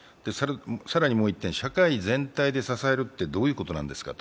更にもう一点、社会全体で支えるってどういうことなんですかと。